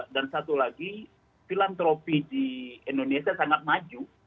dan satu lagi filantropi di indonesia sangat maju